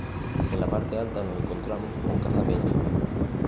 En la parte alta nos encontramos con Casa Peña.